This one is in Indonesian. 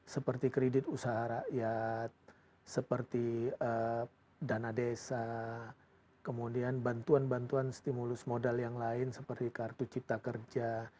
seperti kredit usaha rakyat seperti dana desa kemudian bantuan bantuan stimulus modal yang lain seperti kartu cipta kerja